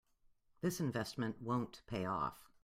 This investment won't pay off.